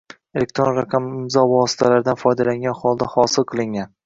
— elektron raqamli imzo vositalaridan foydalangan holda hosil qilingan